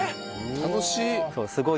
楽しい！